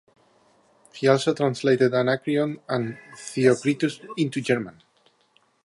He also translated Anacreon and Theocritus into German.